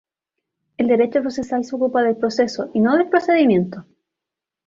El derecho procesal se ocupa del proceso y no del procedimiento.